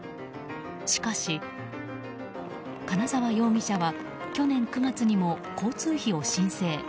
しかし、金澤容疑者は去年９月にも交通費を申請。